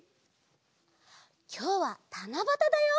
きょうはたなばただよ。